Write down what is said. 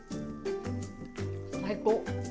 最高。